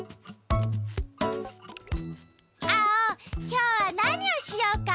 きょうはなにをしようか？